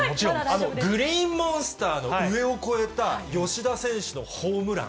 あと、グリーンモンスターを上を越えた吉田選手のホームラン。